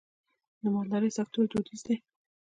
د مالدارۍ سکتور دودیز دی